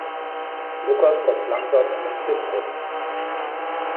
Lukas kommt langsam in den Stimmbruch.